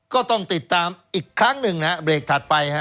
ก็ต้องติดตามอีกครั้งหนึ่งนะฮะเบรกถัดไปฮะ